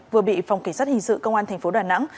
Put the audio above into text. vừa bị phòng kỳ sát hình sự công an tp đà nẵng